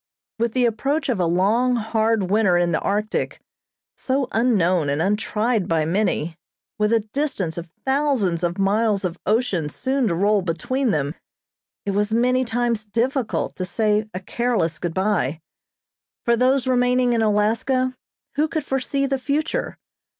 With the approach of a long, hard winter in the Arctic, so unknown and untried by many, with a distance of thousands of miles of ocean soon to roll between them, it was many times difficult to say a careless good bye. For those remaining in Alaska, who could foresee the future?